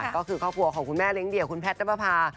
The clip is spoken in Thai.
ก็คือครอบครัวของคุณแม่เลี้ยเดี่ยวคุณแพทย์น้ำประพา